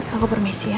aku permisi ya